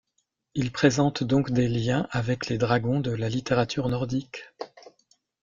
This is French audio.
Il présente donc des liens avec les dragons de la littérature nordique.